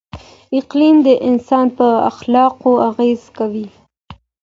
اقلیم د انسان په اخلاقو اغېزه کوي.